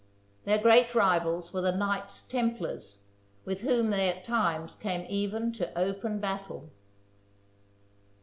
Their great rivals were the Knights Templars, with whom they at times came even to open battle.